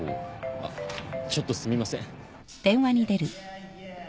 あっちょっとすみません。